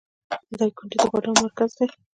دایکنډي د بادامو مرکز دی